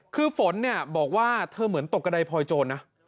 คือฝนเนี่ยบอกว่าเธอเหมือนตกกระดายพลอยโจรนะ